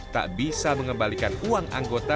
tak bisa mengembalikan uang anggota